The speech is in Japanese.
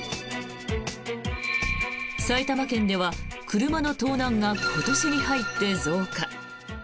埼玉県では車の盗難が今年に入って増加。